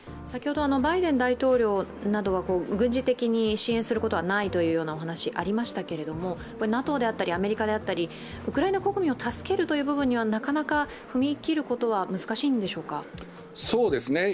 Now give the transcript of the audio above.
バイデン大統領などは軍事的に支援することはないという話がありましたけれどもＮＡＴＯやアメリカであったりウクライナ国民を助けるということにはなかなか踏み切ることは難しいんでしょうか？